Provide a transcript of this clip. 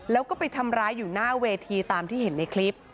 แล้วก็ไปทำร้ายอยู่หน้าเวทีตามที่เห็นในคลิป